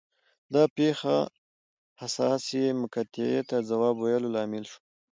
دا پېښه حساسې مقطعې ته د ځواب ویلو لامل شوه.